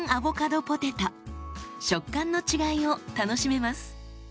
食感の違いを楽しめます。